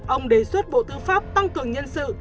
ông đề xuất bộ tư pháp tăng cường nhân sự